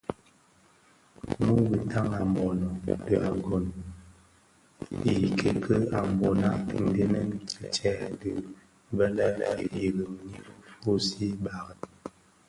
Muu bitaň a mbono dhi agon I kiiki a Mbona ndhenèn kitsè dhi bè lè Iring ñyi fusii barèn.